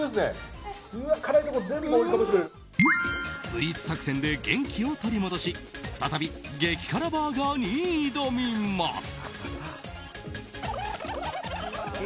スイーツ作戦で元気を取り戻し再び激辛バーガーに挑みます。